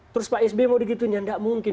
terus pak sby mau digitunya nggak mungkin